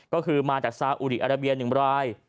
ก็คือมาจากซาอุดีอาราเบีย๑ราย